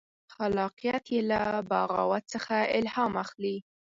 خلاقیت یې له بغاوت څخه الهام اخلي.